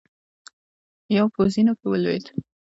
يو په زينو کې ولوېد.